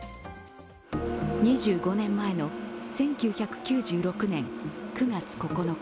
２５年前の１９９６年９月９日。